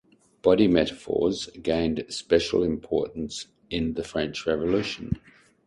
Body metaphors gained special importance in the French Revolution.